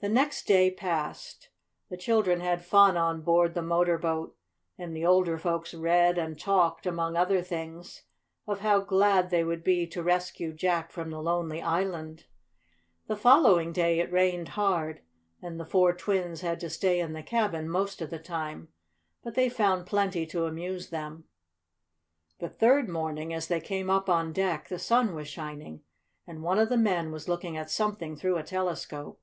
The next day passed. The children had fun on board the motor boat, and the older folks read and talked, among other things, of how glad they would be to rescue Jack from the lonely island. The following day it rained hard, and the four twins had to stay in the cabin most of the time. But they found plenty to amuse them. The third morning, as they came up on deck, the sun was shining, and one of the men was looking at something through a telescope.